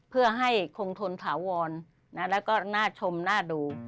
เพื่อให้คงทนถาวรแล้วก็น่าชมน่าดู